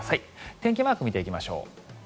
天気マーク見ていきましょう。